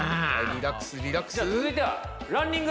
リラックスリラックス。